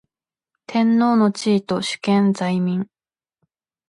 天皇の地位と主権在民